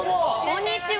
こんにちは